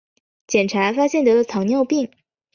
检查发现得了糖尿病